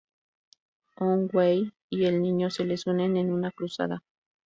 One-Eye y el niño se les unen en una Cruzada.